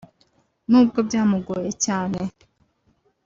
nubwo byamugoye cyane